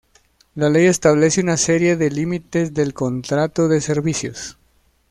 La Ley establece una serie de límites del contrato de servicios.